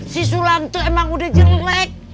si sulam tuh emang udah jelek